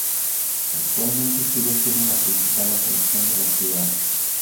Actualmente sigue siendo la principal atracción de la ciudad.